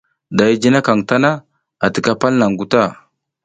Da i jinakaƞ tana, a tika palnaƞʼha nguta.